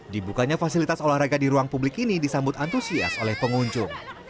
dibukanya fasilitas olahraga di ruang publik ini disambut antusias oleh pengunjung